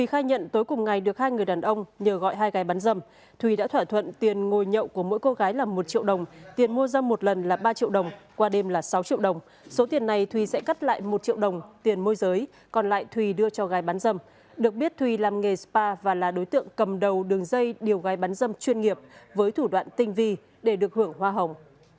khai nhận tối cùng ngày được hai người đàn ông nhờ gọi hai gái bán dâm thùy đã thỏa thuận tiền ngồi nhậu của mỗi cô gái là một triệu đồng tiền mua dâm một lần là ba triệu đồng qua đêm là sáu triệu đồng số tiền này thùy sẽ cắt lại một triệu đồng tiền môi giới còn lại thùy đưa cho gái bán dâm được biết thùy làm nghề spa và là đối tượng cầm đầu đường dây điều gái bán dâm chuyên nghiệp với thủ đoạn tinh vi để được hưởng hoa hồng